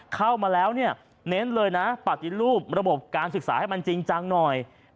เข้ามาแล้วเนี่ยเน้นเลยนะปฏิรูประบบการศึกษาให้มันจริงจังหน่อย